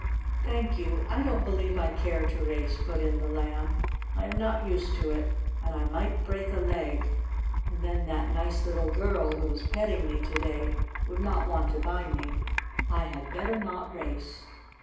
"Thank you, I don't believe I care to race," put in the Lamb. "I am not used to it. And I might break a leg, and then that nice little girl, who was petting me to day, would not want to buy me. I had better not race."